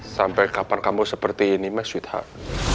sampai kapan kamu seperti ini me sweet heart